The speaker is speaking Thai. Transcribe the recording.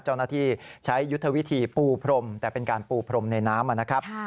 เจ้าหน้าที่ใช้ยุทธวิธีปูพรมแต่เป็นการปูพรมในน้ำนะครับ